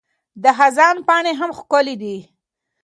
د خزان پاڼې هم ښکلي دي.